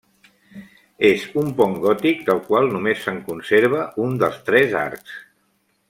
És un pont gòtic del qual només se'n conserva un dels tres arcs.